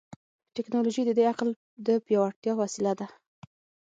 ټیکنالوژي د دې عقل د پیاوړتیا وسیله ده.